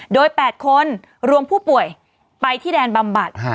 โดย๘คนรวมผู้ป่วยไปที่แดนบำบัด